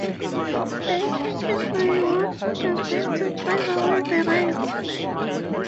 The intention may once have been to drive away the rain.